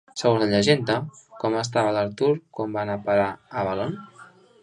Segons la llegenda, com estava l'Artur quan va anar a parar a Avalon?